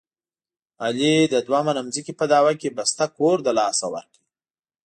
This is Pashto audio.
علي د دوه منه ځمکې په دعوه کې بسته کور دلاسه ورکړ.